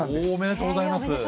おめでとうございます。